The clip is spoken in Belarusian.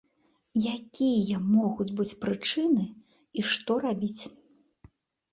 Якія могуць быць прычыны і што рабіць?